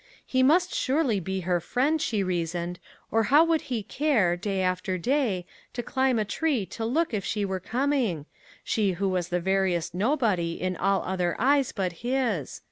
He must surely be her friend, she reasoned, or how would he care, day after day, to climb a tree to look if she were coming she who was the veriest nobody in all other eyes but his?